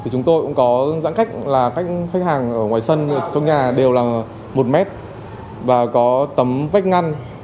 chúng tôi cũng có giãn cách là cách khách hàng ở ngoài sân trong nhà đều là một mét và có tấm vách ngăn